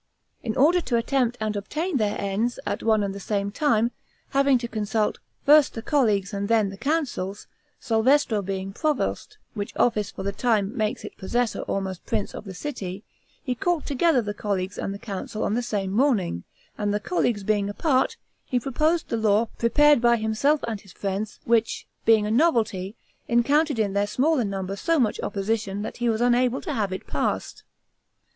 In order to attempt and obtain their ends, at one and the same time, having to consult, first the Colleagues and then the Councils, Salvestro being Provost (which office for the time makes its possessor almost prince of the city), he called together the Colleagues and the Council on the same morning, and the Colleagues being apart, he proposed the law prepared by himself and his friends, which, being a novelty, encountered in their small number so much opposition, that he was unable to have it passed.